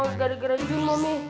ini semua gara gara jun momi